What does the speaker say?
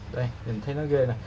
đây nhìn thấy nó ghê nè